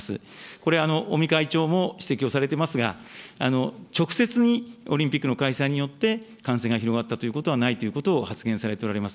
これ、尾身会長も指摘をされていますが、直接にオリンピックの開催によって、感染が広がったということはないということを発言されておられます。